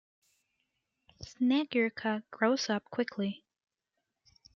Snegurka grows up quickly.